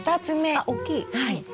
あっ大きい。